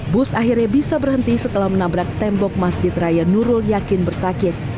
bus akhirnya bisa berhenti setelah menabrak tembok masjid raya nurul yakin bertakis